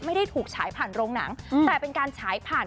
ไม่ได้ถูกฉายผ่านโรงหนังแต่เป็นการฉายผ่าน